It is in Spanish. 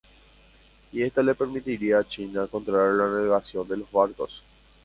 Y esto le permitiría a China controlar la navegación de los barcos.